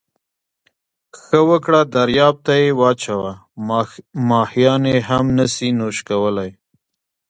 ښه وکړه درياب ته یې واچوه، ماهيان يې هم نسي نوش کولای.